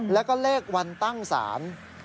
แล้วก็เลขวันตั้งศาล